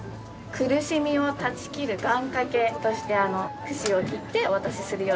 苦しみを断ち切る願掛けとして串を切ってお渡しするようにしています。